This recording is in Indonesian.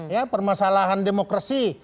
ya permasalahan demokrasi